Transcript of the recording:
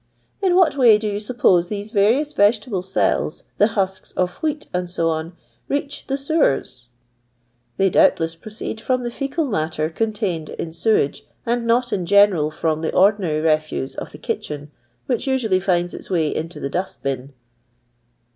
|" In what way dp you suppose these various vegetable cells, the husks of whe«^ &c, reach the sewers 1" " They doubtless proceed from the j faecal matter contained in sewage, and not in general from the ordinary refuse of the kitchen, which usually finds its vray into the dust bin."